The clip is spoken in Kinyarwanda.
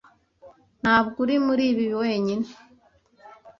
Ntabwo uri muri ibi wenyine.